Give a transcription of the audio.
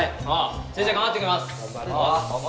先生頑張ってきます。